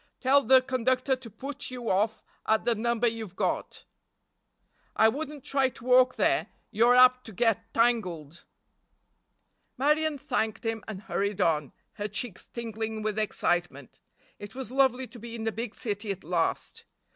Tell the conductor to put you off at the number you've got. I wouldn't try to walk there—you're apt to get tangled." Marion thanked him and hurried on, her cheeks tingling with excitement. It was lovely to be in a big city at last.